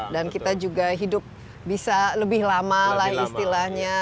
dan kita juga hidup bisa lebih lamalah istilahnya